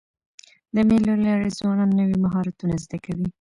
د مېلو له لاري ځوانان نوي مهارتونه زده کوي.